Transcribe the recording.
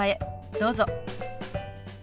どうぞ。